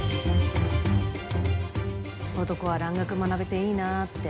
男は蘭学学べていいなぁって。